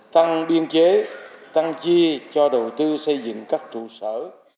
tăng biên chế tăng chi cho đầu tư xây dựng các trụ sở